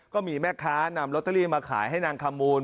ก็มีแม่ค้านำลอตเตอรี่มาขายให้นางขมูล